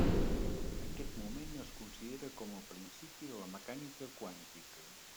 Aquest moment es considera com el principi de la Mecànica quàntica.